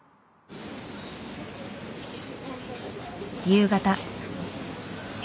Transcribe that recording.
夕方。